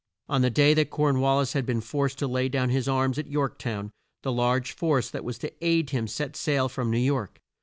On the day that Corn wal lis had been forced to lay down his arms at York town, the large force that was to aid him set sail from New York.